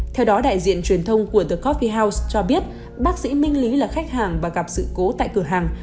theo đó đại diện truyền thông của the cophie house cho biết bác sĩ minh lý là khách hàng và gặp sự cố tại cửa hàng